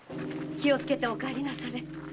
気をつけてお帰りなされ。